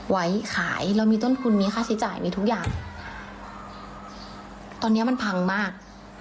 ไว้ขายเรามีต้นทุนมีค่าใช้จ่ายมีทุกอย่างตอนเนี้ยมันพังมาก